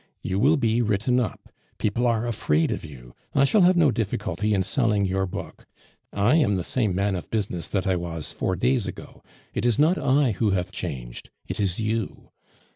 You will be written up; people are afraid of you; I shall have no difficulty in selling your book. I am the same man of business that I was four days ago. It is not I who have changed; it is you.